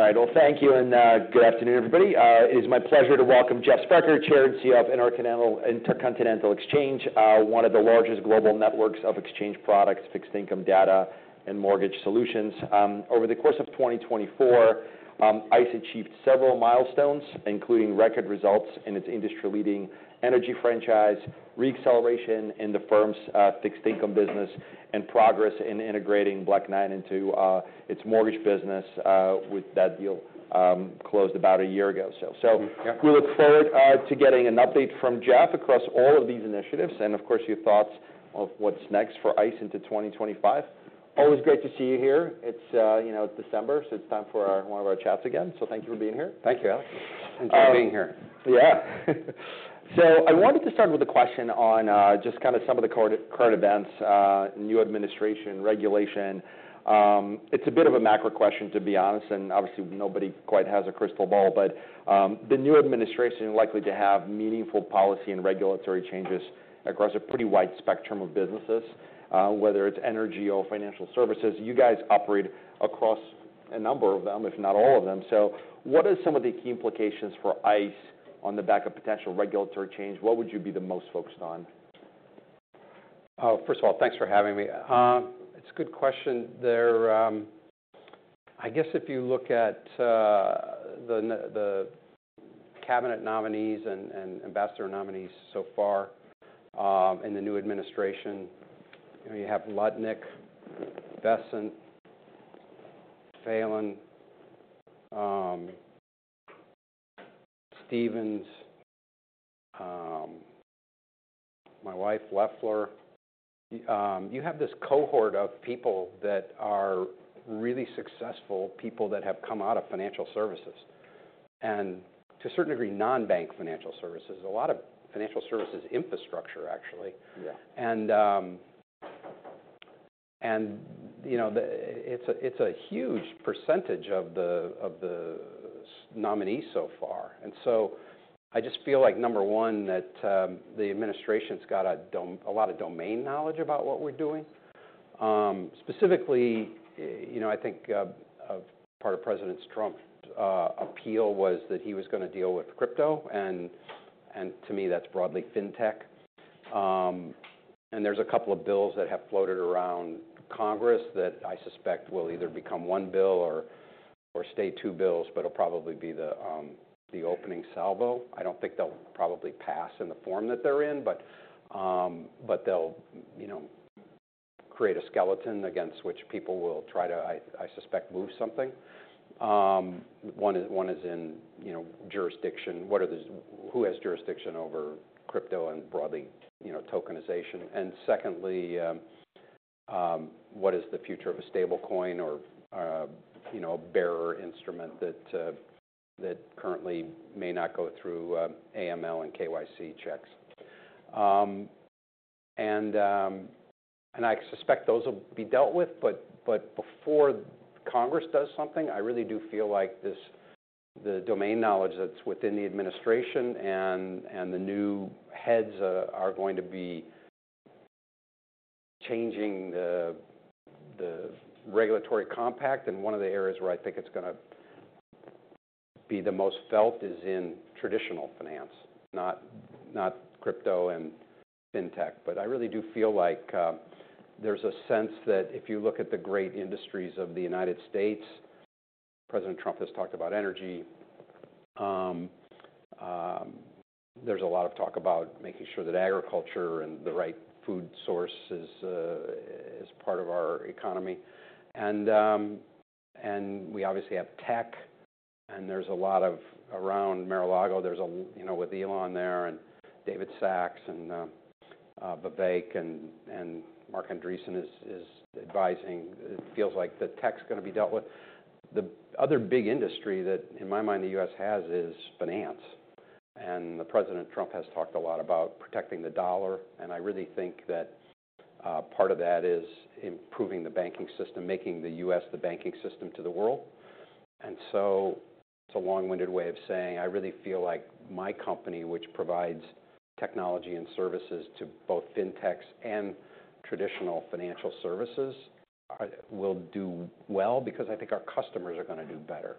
All right. Well, thank you, and good afternoon, everybody. It is my pleasure to welcome Jeff Sprecher, Chair and CEO of Intercontinental Exchange, one of the largest global networks of exchange products, fixed income data, and mortgage solutions. Over the course of 2024, ICE achieved several milestones, including record results in its industry-leading energy franchise, re-acceleration in the firm's fixed income business, and progress in integrating Black Knight into its mortgage business, with that deal closed about a year ago. So, we look forward to getting an update from Jeff across all of these initiatives and, of course, your thoughts of what's next for ICE into 2025. Always great to see you here. It's December, so it's time for one of our chats again. So thank you for being here. Thank you, Alex. Enjoy being here. Yeah. So I wanted to start with a question on just kinda some of the current events, new administration, regulation. It's a bit of a macro question, to be honest, and obviously nobody quite has a crystal ball, but the new administration is likely to have meaningful policy and regulatory changes across a pretty wide spectrum of businesses, whether it's energy or financial services. You guys operate across a number of them, if not all of them. So what are some of the key implications for ICE on the back of potential regulatory change? What would you be the most focused on? First of all, thanks for having me. It's a good question. They're, I guess if you look at the cabinet nominees and ambassador nominees so far, in the new administration, you have Lutnick, Bessent, Thiel, Stephens, my wife, Loeffler. You have this cohort of people that are really successful, people that have come out of financial services and, to a certain degree, non-bank financial services, a lot of financial services infrastructure, actually. It's a huge percentage of the nominees so far. So I just feel like, number one, that the administration's got a ton of domain knowledge about what we're doing. Specifically, I think a part of President Trump's appeal was that he was gonna deal with crypto and, to me, that's broadly fintech. And there's a couple of bills that have floated around Congress that I suspect will either become one bill or stay two bills, but it'll probably be the opening salvo. I don't think they'll probably pass in the form that they're in, but they'll create a skeleton against which people will try to, I suspect, move something. One is jurisdiction. Who has jurisdiction over crypto and broadly tokenization? And secondly, what is the future of a stablecoin or a bearer instrument that currently may not go through AML and KYC checks? And I suspect those will be dealt with, but before Congress does something, I really do feel like this, the domain knowledge that's within the administration and the new heads are going to be changing the regulatory compact. And one of the areas where I think it's gonna be the most felt is in traditional finance, not crypto and fintech. But I really do feel like, there's a sense that if you look at the great industries of the United States, President Trump has talked about energy. There's a lot of talk about making sure that agriculture and the right food source is part of our economy. And we obviously have tech, and there's a lot around Mar-a-Lago, with Elon there and David Sacks and Vivek and Marc Andreessen is advising. It feels like the tech's gonna be dealt with. The other big industry that, in my mind, the U.S. has is finance, and President Trump has talked a lot about protecting the dollar. And I really think that, part of that is improving the banking system, making the U.S. the banking system to the world. And so it's a long-winded way of saying, I really feel like my company, which provides technology and services to both fintechs and traditional financial services, will do well because I think our customers are gonna do better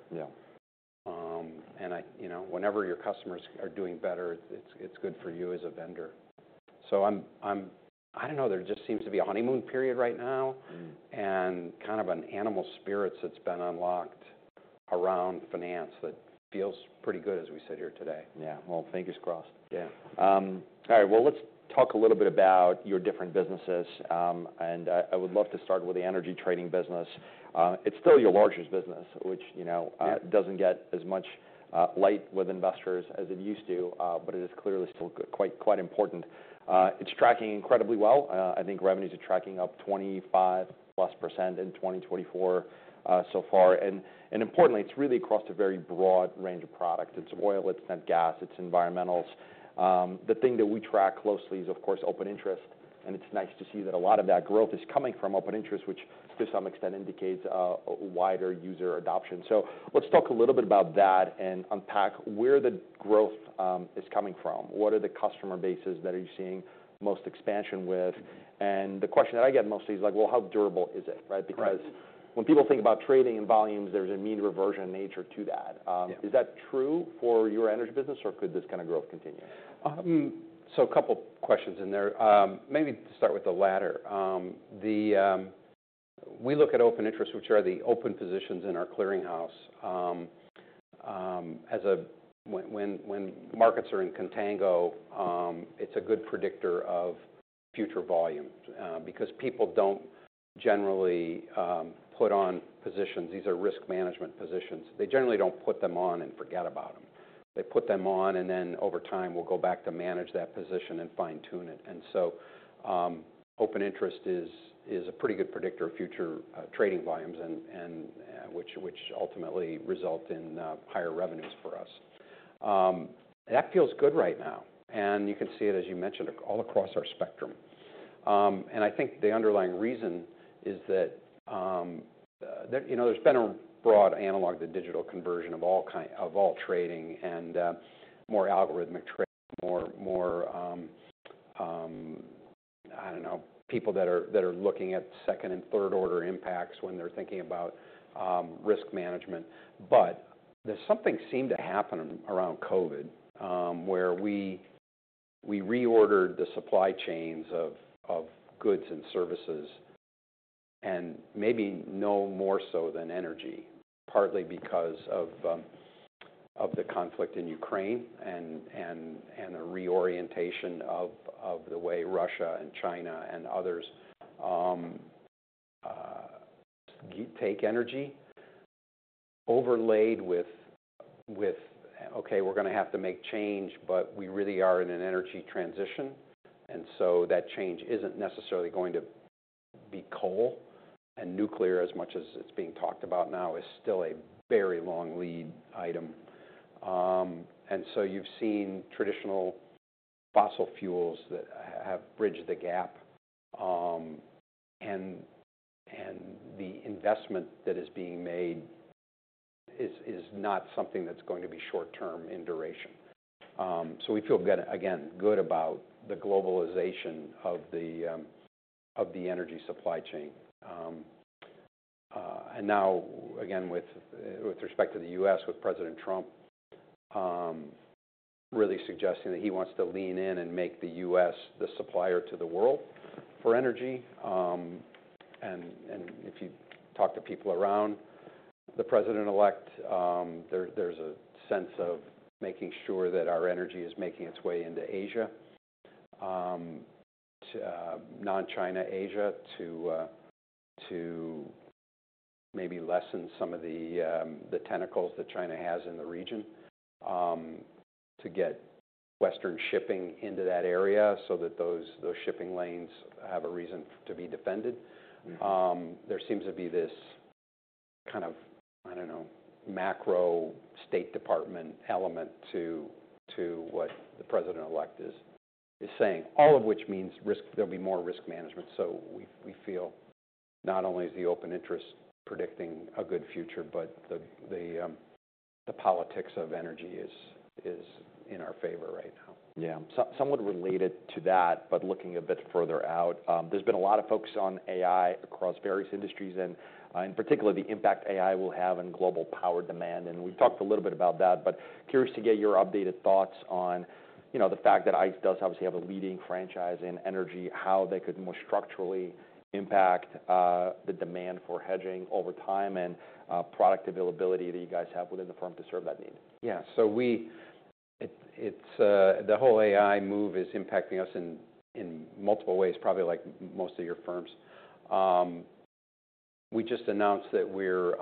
and whenever your customers are doing better, it's good for you as a vendor. So I don't know. There just seems to be a honeymoon period right now, and kind of an animal spirits that's been unlocked around finance that feels pretty good as we sit here today. Yeah, well, fingers crossed. Yeah. All right. Well, let's talk a little bit about your different businesses, and I would love to start with the energy trading business. It's still your largest business, which doesn't get as much light with investors as it used to, but it is clearly still quite important. It's tracking incredibly well. I think revenues are tracking up 25-plus% in 2024, so far. And, and importantly, it's really across a very broad range of products. It's oil, it's gas, it's environmentals. The thing that we track closely is, of course, open interest, and it's nice to see that a lot of that growth is coming from open interest, which to some extent indicates a wider user adoption. So let's talk a little bit about that and unpack where the growth is coming from. What are the customer bases that are you seeing most expansion with? And the question that I get mostly is like, well, how durable is it? Right? Because when people think about trading and volumes, there's a mean reversion in nature to that. Is that true for your energy business, or could this kinda growth continue? So a couple questions in there. Maybe to start with the latter. We look at open interest, which are the open positions in our clearinghouse. As when markets are in contango, it's a good predictor of future volumes, because people don't generally put on positions. These are risk management positions. They generally don't put them on and forget about them. They put them on, and then over time, will go back to manage that position and fine-tune it. And so open interest is a pretty good predictor of future trading volumes and which ultimately result in higher revenues for us. That feels good right now, and you can see it, as you mentioned, all across our spectrum. And I think the underlying reason is that there's been a broad analogy to the digital conversion of all kinds of trading and more algorithmic trading, more. I don't know, people that are looking at second- and third-order impacts when they're thinking about risk management. But something seemed to happen around COVID, where we reordered the supply chains of goods and services and maybe no more so than energy, partly because of the conflict in Ukraine and the reorientation of the way Russia and China and others take energy overlaid with, okay, we're gonna have to make change, but we really are in an energy transition. And so that change isn't necessarily going to be coal and nuclear, as much as it's being talked about now, is still a very long lead item. And so you've seen traditional fossil fuels that have bridged the gap, and the investment that is being made is not something that's going to be short-term in duration. So we feel good again about the globalization of the energy supply chain. And now, again, with respect to the U.S., with President Trump really suggesting that he wants to lean in and make the U.S. the supplier to the world for energy. And if you talk to people around the president-elect, there's a sense of making sure that our energy is making its way into Asia, to non-China Asia, to maybe lessen some of the tentacles that China has in the region, to get Western shipping into that area so that those shipping lanes have a reason to be defended. There seems to be this kind of, I don't know, macro State Department element to what the president-elect is saying, all of which means risk. There'll be more risk management. So we feel not only is the open interest predicting a good future, but the politics of energy is in our favor right now. Somewhat related to that, but looking a bit further out, there's been a lot of focus on AI across various industries and, in particular, the impact AI will have in global power demand. And we've talked a little bit about that, but curious to get your updated thoughts on the fact that ICE does obviously have a leading franchise in energy, how they could more structurally impact the demand for hedging over time and product availability that you guys have within the firm to serve that need. So it's the whole AI move is impacting us in multiple ways, probably like most of your firms. We just announced that we're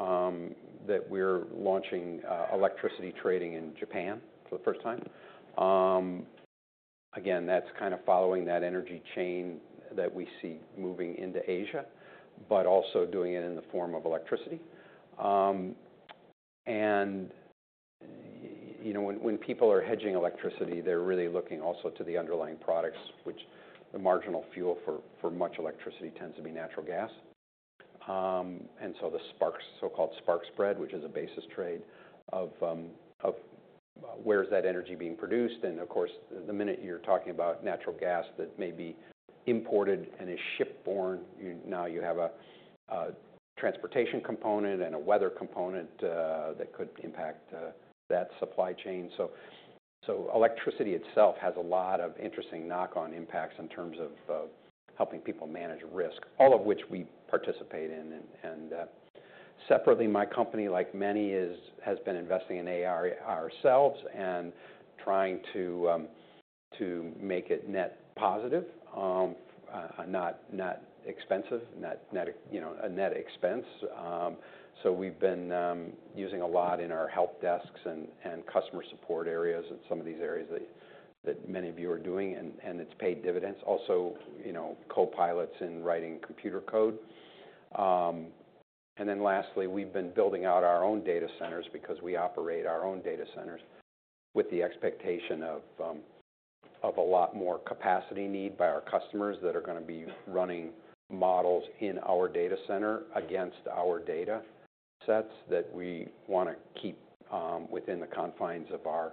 launching electricity trading in Japan for the first time. Again, that's kinda following that energy chain that we see moving into Asia, but also doing it in the form of electricity. And when people are hedging electricity, they're really looking also to the underlying products, which the marginal fuel for much electricity tends to be natural gas. And so the so-called spark spread, which is a basis trade of where's that energy being produced? And of course, the minute you're talking about natural gas that may be imported and is ship-borne, you now have a transportation component and a weather component that could impact that supply chain. So electricity itself has a lot of interesting knock-on impacts in terms of helping people manage risk, all of which we participate in. And separately, my company, like many, has been investing in AI ourselves and trying to make it net positive, not expensive, not a net expense. So we've been using a lot in our help desks and customer support areas and some of these areas that many of you are doing, and it's paid dividends. Also, copilots in writing computer code. And then lastly, we've been building out our own data centers because we operate our own data centers with the expectation of a lot more capacity need by our customers that are gonna be running models in our data center against our data sets that we wanna keep, within the confines of our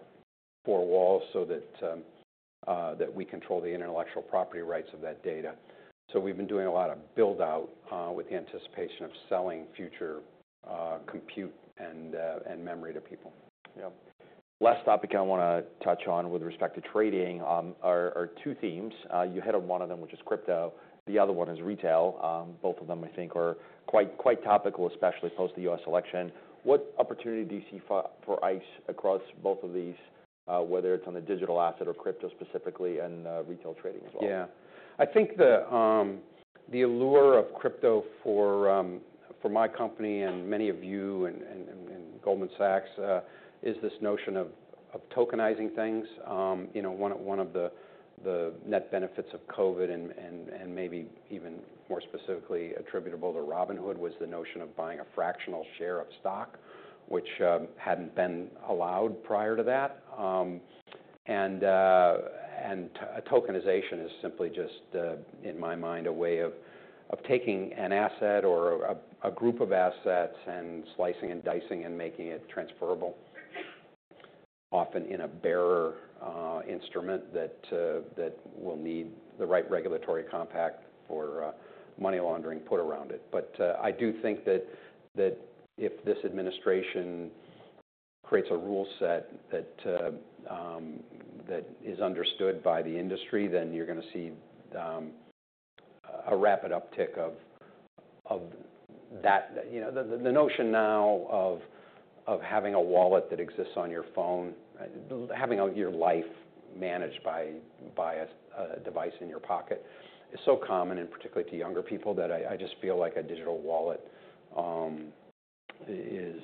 four walls so that we control the intellectual property rights of that data. So we've been doing a lot of build-out, with the anticipation of selling future compute and memory to people. Yep. Last topic I wanna touch on with respect to trading are two themes. You hit on one of them, which is crypto. The other one is retail. Both of them, I think, are quite topical, especially post the U.S. election. What opportunity do you see for ICE across both of these, whether it's on the digital asset or crypto specifically and retail trading as well? Yeah. I think the allure of crypto for my company and many of you and Goldman Sachs is this notion of tokenizing things. One of the net benefits of COVID and maybe even more specifically attributable to Robinhood was the notion of buying a fractional share of stock, which hadn't been allowed prior to that. Tokenization is simply just, in my mind, a way of taking an asset or a group of assets and slicing and dicing and making it transferable, often in a bearer instrument that will need the right regulatory compact for money laundering put around it. But I do think that if this administration creates a rule set that is understood by the industry, then you're gonna see a rapid uptick of that the notion now of having a wallet that exists on your phone, having your life managed by a device in your pocket is so common, and particularly to younger people, that I just feel like a digital wallet is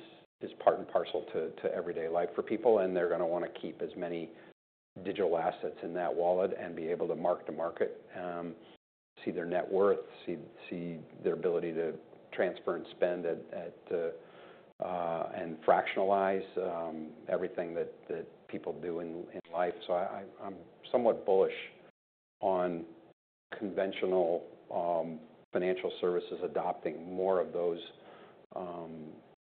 part and parcel to everyday life for people. And they're gonna wanna keep as many digital assets in that wallet and be able to mark to market, see their net worth, see their ability to transfer and spend, and fractionalize everything that people do in life. So I'm somewhat bullish on conventional financial services adopting more of those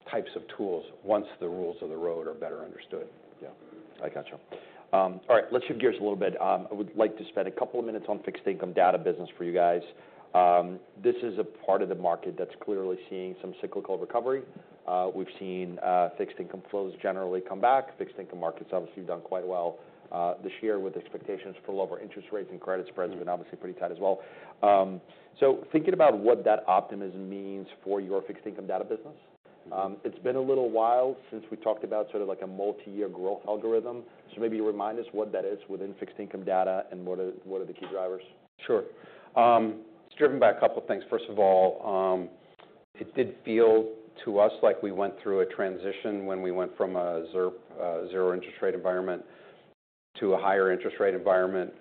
types of tools once the rules of the road are better understood. Yeah. I gotcha. All right. Let's shift gears a little bit. I would like to spend a couple of minutes on fixed income data business for you guys. This is a part of the market that's clearly seeing some cyclical recovery. We've seen fixed income flows generally come back. Fixed income markets obviously have done quite well this year with expectations for lower interest rates, and credit spreads have been obviously pretty tight as well. So thinking about what that optimism means for your fixed income data business, it's been a little while since we talked about sort of like a multi-year growth algorithm. So maybe you remind us what that is within fixed income data and what are the key drivers? Sure. It's driven by a couple of things. First of all, it did feel to us like we went through a transition when we went from a ZIRP, zero interest rate environment to a higher interest rate environment.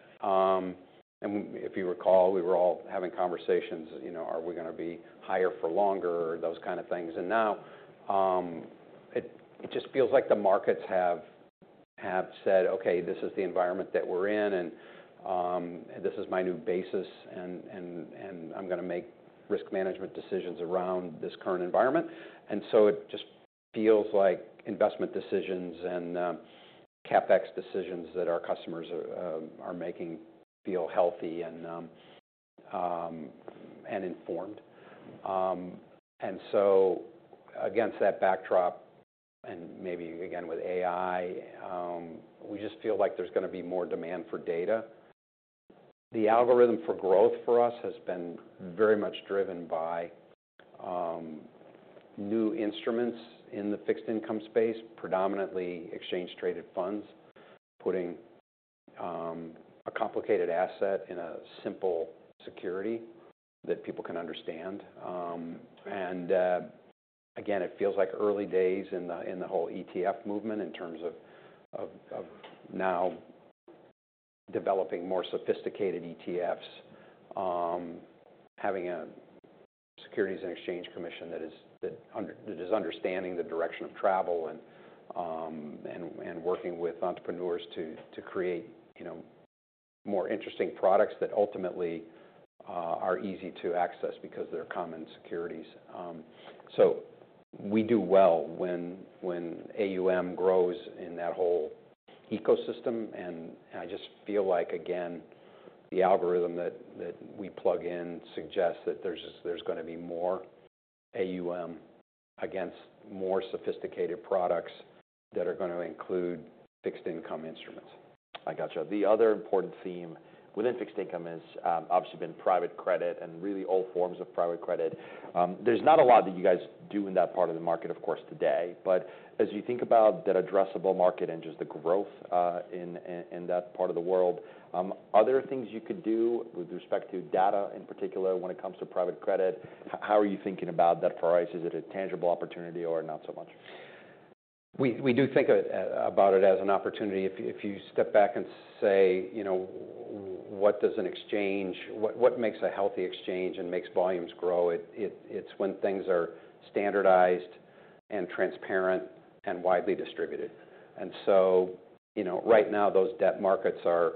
And if you recall, we were all having conversations are we gonna be higher for longer or those kinda things? And now, it just feels like the markets have said, okay, this is the environment that we're in, and this is my new basis, and I'm gonna make risk management decisions around this current environment. And so it just feels like investment decisions and CapEx decisions that our customers are making feel healthy and informed. And so against that backdrop and maybe again with AI, we just feel like there's gonna be more demand for data. The algorithm for growth for us has been very much driven by new instruments in the fixed income space, predominantly exchange-traded funds, putting a complicated asset in a simple security that people can understand. Again, it feels like early days in the whole ETF movement in terms of now developing more sophisticated ETFs, having a Securities and Exchange Commission that is understanding the direction of travel and working with entrepreneurs to create more interesting products that ultimately are easy to access because they're common securities. We do well when AUM grows in that whole ecosystem. And I just feel like again, the algorithm that we plug in suggests that there's gonna be more AUM against more sophisticated products that are gonna include fixed income instruments. I gotcha. The other important theme within fixed income is, obviously been private credit and really all forms of private credit. There's not a lot that you guys do in that part of the market, of course, today. But as you think about that addressable market and just the growth in that part of the world, are there things you could do with respect to data in particular when it comes to private credit? How are you thinking about that for ICE? Is it a tangible opportunity or not so much? We do think of it as an opportunity. If you step back and say what does an exchange, what makes a healthy exchange and makes volumes grow? It's when things are standardized and transparent and widely distributed. And so, right now, those debt markets are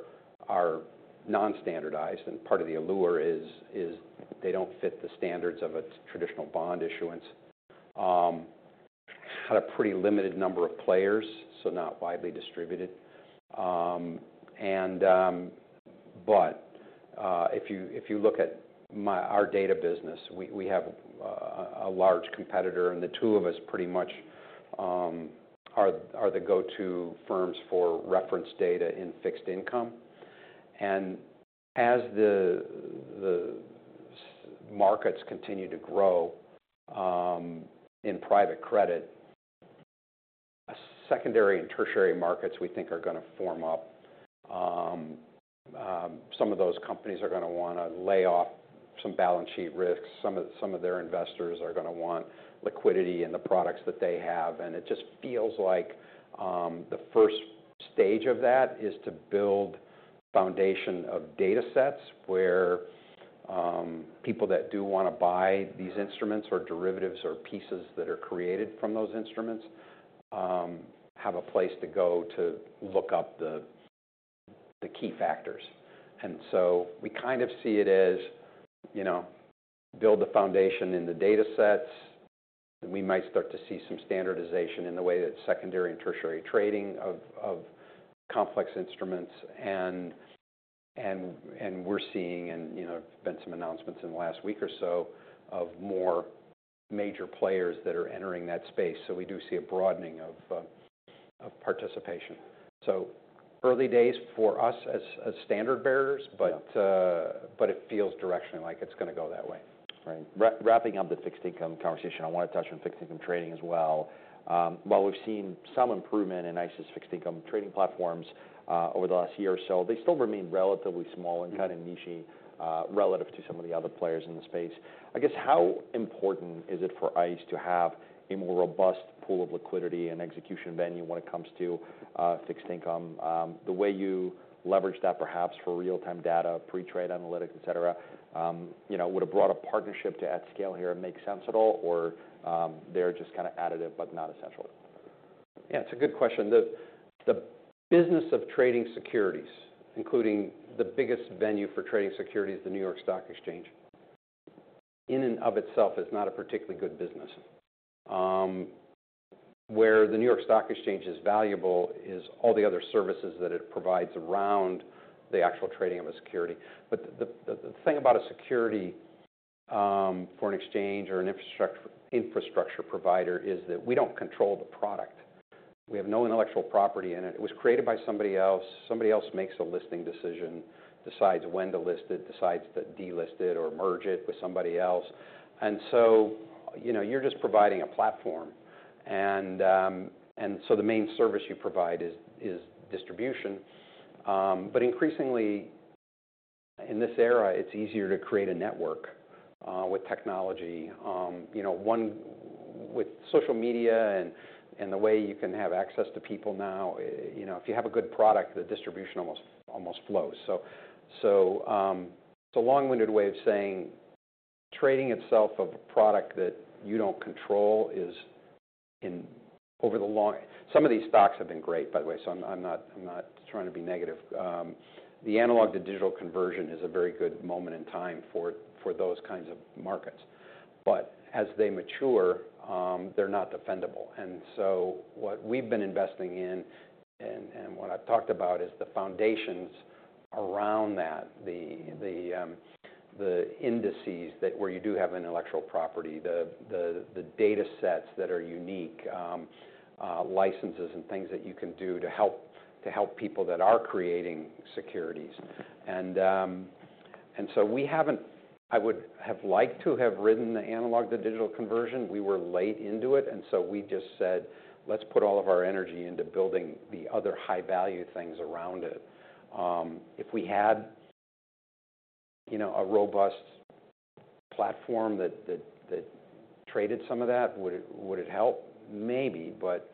non-standardized. And part of the allure is they don't fit the standards of a traditional bond issuance. They had a pretty limited number of players, so not widely distributed. But if you look at our data business, we have a large competitor, and the two of us pretty much are the go-to firms for reference data in fixed income. And as the markets continue to grow in private credit, secondary and tertiary markets we think are gonna form up. Some of those companies are gonna wanna lay off some balance sheet risks. Some of their investors are gonna want liquidity in the products that they have. And it just feels like the first stage of that is to build foundation of data sets where people that do wanna buy these instruments or derivatives or pieces that are created from those instruments have a place to go to look up the key factors. And so we kind of see it as build the foundation in the data sets. We might start to see some standardization in the way that secondary and tertiary trading of complex instruments. And we're seeing there've been some announcements in the last week or so of more major players that are entering that space. So we do see a broadening of participation. So early days for us as standard bearers, but it feels directionally like it's gonna go that way. Right. Wrapping up the fixed income conversation, I wanna touch on fixed income trading as well. While we've seen some improvement in ICE's fixed income trading platforms over the last year or so, they still remain relatively small and kinda nichy relative to some of the other players in the space. I guess, how important is it for ICE to have a more robust pool of liquidity and execution venue when it comes to fixed income? The way you leverage that perhaps for real-time data, pre-trade analytics, etc., would a broader partnership to add scale here make sense at all, or they're just kinda additive but not essential? Yeah. It's a good question. The business of trading securities, including the biggest venue for trading securities, the New York Stock Exchange, in and of itself is not a particularly good business. Where the New York Stock Exchange is valuable is all the other services that it provides around the actual trading of a security. But the thing about a security, foreign exchange or an infrastructure provider is that we don't control the product. We have no intellectual property in it. It was created by somebody else. Somebody else makes a listing decision, decides when to list it, decides to delist it or merge it with somebody else. And so, you're just providing a platform. And so the main service you provide is distribution. But increasingly in this era, it's easier to create a network with technology. One with social media and the way you can have access to people now if you have a good product, the distribution almost flows. So it's a long-winded way of saying trading itself of a product that you don't control is in over the long some of these stocks have been great, by the way. So I'm not trying to be negative. The analog to digital conversion is a very good moment in time for those kinds of markets. But as they mature, they're not defendable. And so what we've been investing in and what I've talked about is the foundations around that, the indices that where you do have intellectual property, the data sets that are unique, licenses and things that you can do to help people that are creating securities. And so we haven't. I would have liked to have ridden the analog to digital conversion. We were late into it. And so we just said, let's put all of our energy into building the other high-value things around it. If we had a robust platform that traded some of that, would it help? Maybe. But,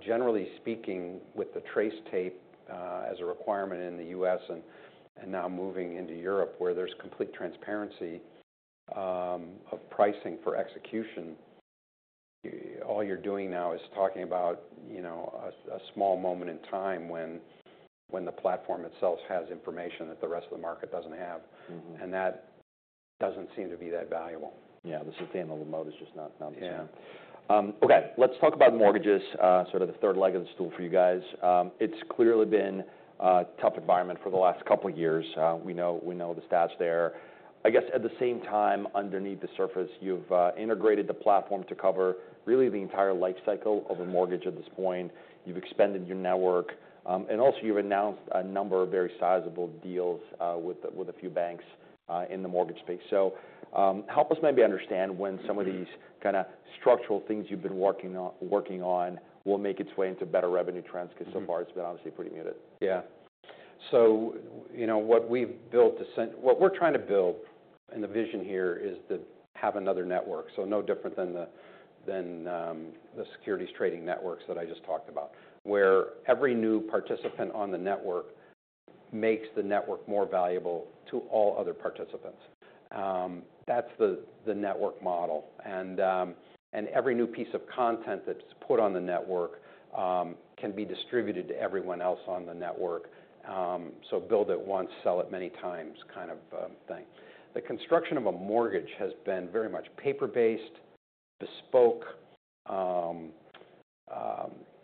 generally speaking, with the TRACE tape, as a requirement in the U.S. and now moving into Europe where there's complete transparency of pricing for execution, all you're doing now is talking about a small moment in time when the platform itself has information that the rest of the market doesn't have. That doesn't seem to be that valuable. Yeah. The sustainable mode is just not the same. Yeah. Okay. Let's talk about mortgages, sort of the third leg of the stool for you guys. It's clearly been a tough environment for the last couple of years. We know the stats there. I guess at the same time, underneath the surface, you've integrated the platform to cover really the entire lifecycle of a mortgage at this point. You've expanded your network. And also you've announced a number of very sizable deals with a few banks in the mortgage space. So, help us maybe understand when some of these kinda structural things you've been working on will make its way into better revenue trends 'cause so far it's been obviously pretty muted. Yeah. So, what we've built and what we're trying to build and the vision here is to have another network. So no different than the securities trading networks that I just talked about, where every new participant on the network makes the network more valuable to all other participants. That's the network model. And every new piece of content that's put on the network can be distributed to everyone else on the network. So build it once, sell it many times kind of thing. The construction of a mortgage has been very much paper-based, bespoke.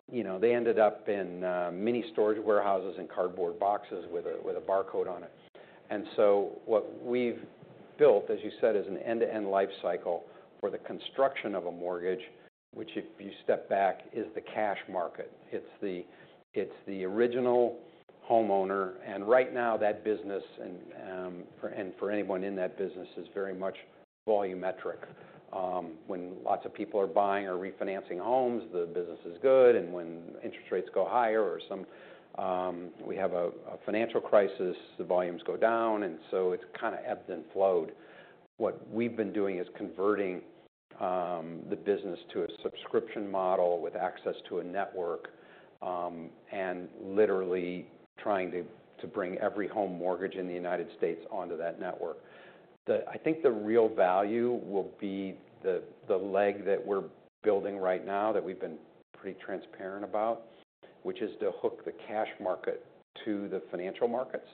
They ended up in mini-storage warehouses and cardboard boxes with a barcode on it. And so what we've built, as you said, is an end-to-end lifecycle for the construction of a mortgage, which if you step back is the cash market. It's the original homeowner. And right now that business, and for anyone in that business, is very much volumetric. When lots of people are buying or refinancing homes, the business is good. And when interest rates go higher or some we have a financial crisis, the volumes go down. And so it's kinda ebbed and flowed. What we've been doing is converting the business to a subscription model with access to a network, and literally trying to bring every home mortgage in the United States onto that network. I think the real value will be the leg that we're building right now that we've been pretty transparent about, which is to hook the cash market to the financial markets,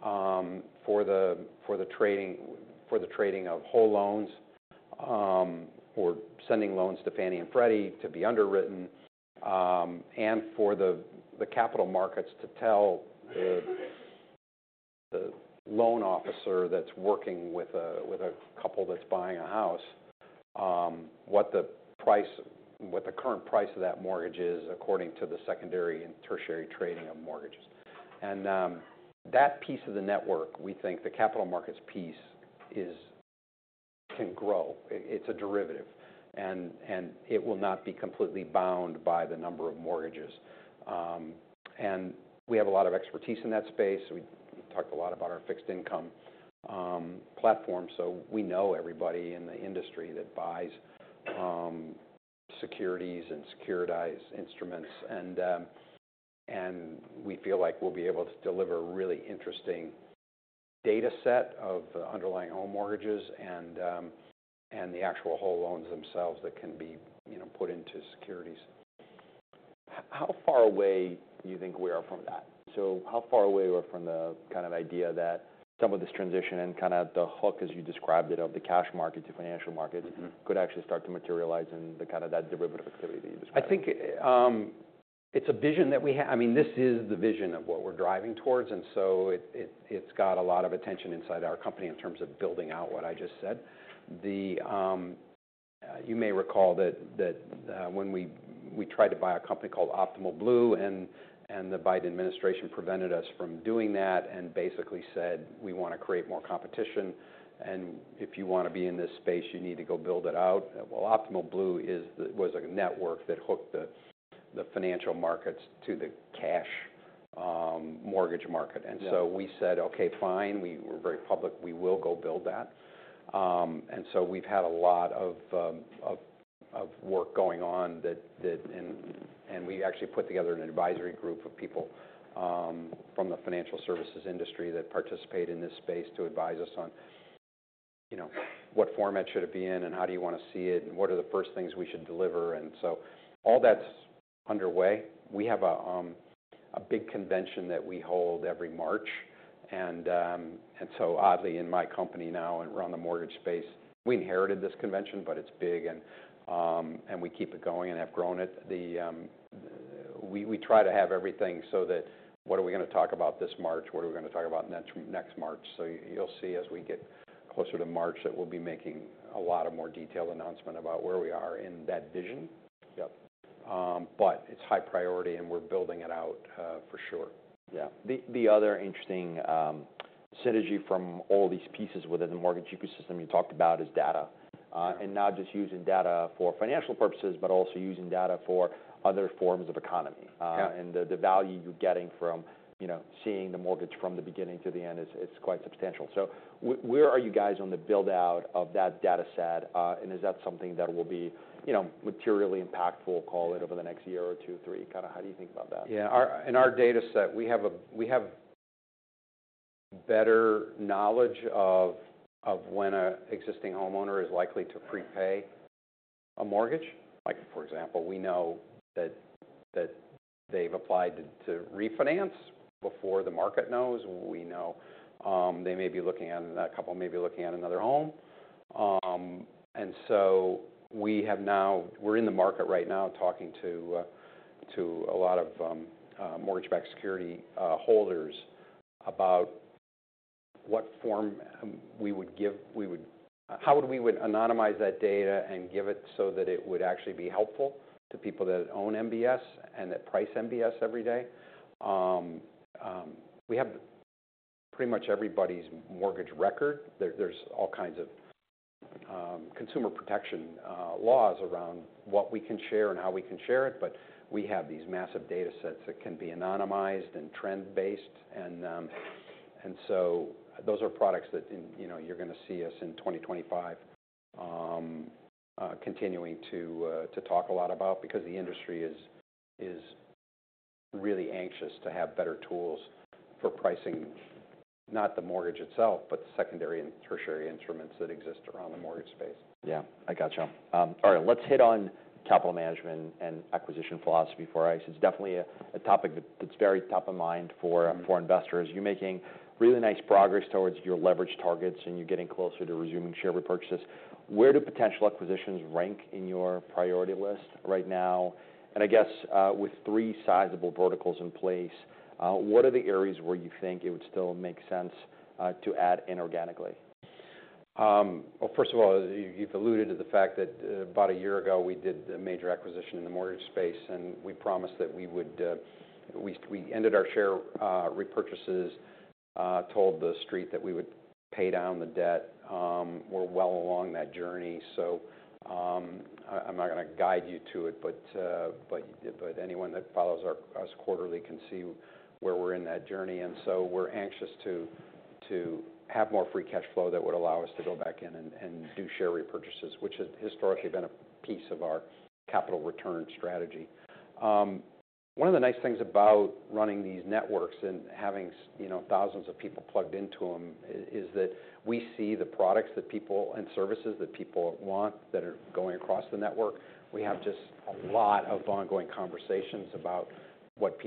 for the trading of whole loans, or sending loans to Fannie and Freddie to be underwritten, and for the capital markets to tell the loan officer that's working with a couple that's buying a house, what the current price of that mortgage is according to the secondary and tertiary trading of mortgages. That piece of the network, we think the capital markets piece can grow. It's a derivative and it will not be completely bound by the number of mortgages, and we have a lot of expertise in that space. We talked a lot about our fixed income platform. So we know everybody in the industry that buys securities and securitized instruments. And we feel like we'll be able to deliver a really interesting data set of the underlying home mortgages and the actual whole loans themselves that can be put into securities. How far away do you think we are from that? So how far away are we from the kind of idea that some of this transition and kinda the hook, as you described it, of the cash market to financial markets could actually start to materialize in the kinda that derivative activity that you described? I think it's a vision that we have. I mean, this is the vision of what we're driving towards. And so it's got a lot of attention inside our company in terms of building out what I just said. You may recall that when we tried to buy a company called Optimal Blue and the Biden administration prevented us from doing that and basically said we wanna create more competition. And if you wanna be in this space, you need to go build it out. Optimal Blue was a network that hooked the financial markets to the cash mortgage market. And so we said, okay, fine. We were very public. We will go build that. And so we've had a lot of work going on, and we actually put together an advisory group of people from the financial services industry that participate in this space to advise us on what format should it be in and how do you wanna see it and what are the first things we should deliver. And so all that's underway. We have a big convention that we hold every March. And so oddly, in my company now, and we're on the mortgage space, we inherited this convention, but it's big and we keep it going and have grown it. We try to have everything so that what are we gonna talk about this March? What are we gonna talk about next March? So you'll see as we get closer to March that we'll be making a lot of more detailed announcement about where we are in that vision but it's high priority and we're building it out, for sure. Yeah. The other interesting synergy from all these pieces within the mortgage ecosystem you talked about is data, and not just using data for financial purposes, but also using data for other forms of economy. And the value you're getting from seeing the mortgage from the beginning to the end is quite substantial. So where are you guys on the build-out of that data set? And is that something that will be materially impactful, call it, over the next year or two, three? Kinda how do you think about that? Yeah. In our data set, we have better knowledge of when an existing homeowner is likely to prepay a mortgage. Like, for example, we know that they've applied to refinance before the market knows. We know they may be looking at another home. And so we have now, we're in the market right now talking to a lot of mortgage-backed security holders about what form we would give, how we would anonymize that data and give it so that it would actually be helpful to people that own MBS and that price MBS every day. We have pretty much everybody's mortgage record. There are all kinds of consumer protection laws around what we can share and how we can share it. But we have these massive data sets that can be anonymized and trend-based. And so those are products that you're gonna see us in 2025 continuing to talk a lot about because the industry is really anxious to have better tools for pricing, not the mortgage itself, but the secondary and tertiary instruments that exist around the mortgage space. Yeah. I gotcha. All right. Let's hit on capital management and acquisition philosophy for ICE's. It's definitely a topic that's very top of mind for investors. You're making really nice progress towards your leverage targets and you're getting closer to resuming share repurchases. Where do potential acquisitions rank in your priority list right now? And I guess, with three sizable verticals in place, what are the areas where you think it would still make sense to add inorganically? First of all, you've alluded to the fact that about a year ago we did a major acquisition in the mortgage space and we promised that we would end our share repurchases, told the street that we would pay down the debt. We're well along that journey. I'm not gonna guide you to it, but anyone that follows our ICE quarterly can see where we're in that journey, and so we're anxious to have more free cash flow that would allow us to go back in and do share repurchases, which has historically been a piece of our capital return strategy. One of the nice things about running these networks and having thousands of people plugged into them is that we see the products that people and services that people want that are going across the network. We have just a lot of ongoing conversations about what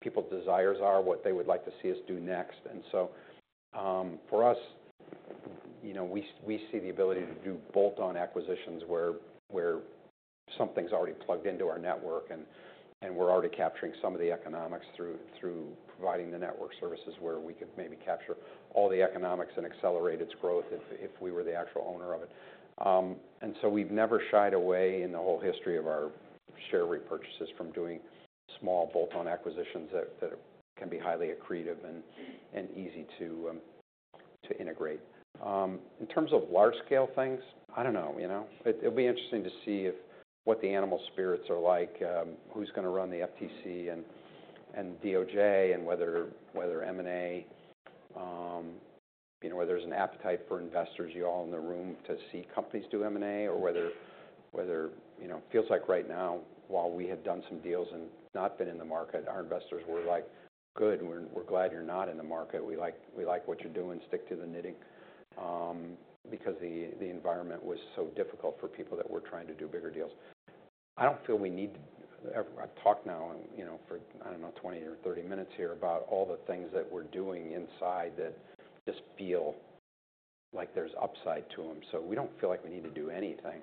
people's desires are, what they would like to see us do next, and so, for us, we see the ability to do bolt-on acquisitions where something's already plugged into our network and we're already capturing some of the economics through providing the network services where we could maybe capture all the economics and accelerate its growth if we were the actual owner of it, and so we've never shied away in the whole history of our share repurchases from doing small bolt-on acquisitions that can be highly accretive and easy to integrate in terms of large-scale things, I don't know. It'll be interesting to see what the animal spirits are like, who's gonna run the FTC and DOJ and whether M&A, whether there's an appetite for investors, you all in the room to see companies do M&A or whether, feels like right now while we had done some deals and not been in the market, our investors were like, good, we're glad you're not in the market. We like what you're doing. Stick to the knitting, because the environment was so difficult for people that were trying to do bigger deals. I don't feel we need to. I've talked now for, I don't know, 20 or 30 minutes here about all the things that we're doing inside that just feel like there's upside to them. So we don't feel like we need to do anything.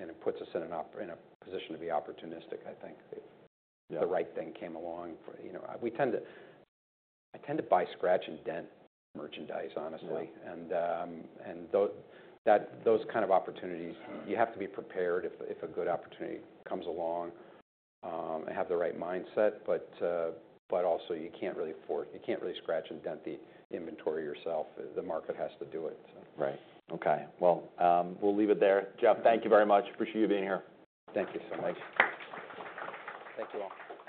And it puts us in a position to be opportunistic, I think. The right thing came along for, I tend to buy scratch-and-dent merchandise, honestly. Those kind of opportunities, you have to be prepared if a good opportunity comes along, and have the right mindset. But also you can't really scratch-and-dent the inventory yourself. The market has to do it, so. Right. Okay. Well, we'll leave it there. Jeff, thank you very much. Appreciate you being here. Thank you so much. Thank you all.